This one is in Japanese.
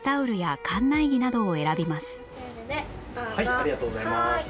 ありがとうございます。